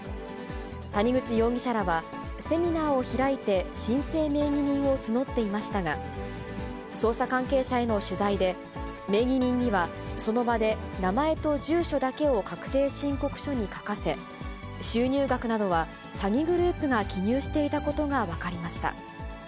谷口容疑者らはセミナーを開いて申請名義人を募っていましたが、捜査関係者への取材で、名義人には、その場で名前と住所だけを確定申告書に書かせ、収入額などは詐欺グループが記入していたことが分かりました。